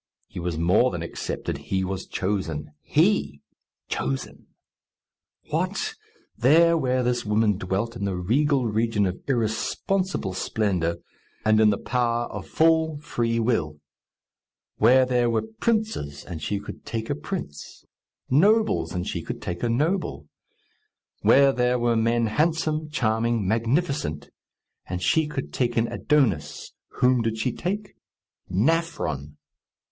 He was more than accepted; he was chosen. He, chosen! What! there, where this woman dwelt, in the regal region of irresponsible splendour, and in the power of full, free will; where there were princes, and she could take a prince; nobles, and she could take a noble; where there were men handsome, charming, magnificent, and she could take an Adonis: whom did she take? Gnafron!